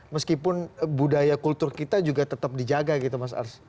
meskipun budaya kultur kita juga tetap dijaga gitu mas ars